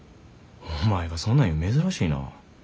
お前がそんなん言うん珍しいなぁ。